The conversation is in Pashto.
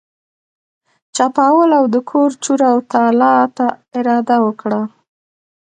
چپاول او د کور چور او تالا ته اراده وکړه.